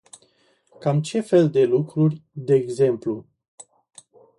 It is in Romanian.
Cam ce fel de lucruri de exemplu?